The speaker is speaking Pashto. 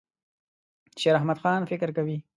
شیراحمدخان فکر کوي.